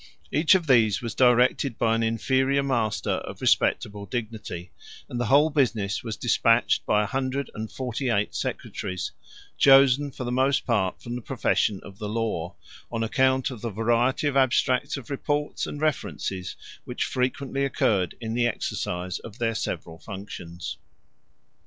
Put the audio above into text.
Each of these was directed by an inferior master of respectable dignity, and the whole business was despatched by a hundred and forty eight secretaries, chosen for the most part from the profession of the law, on account of the variety of abstracts of reports and references which frequently occurred in the exercise of their several functions.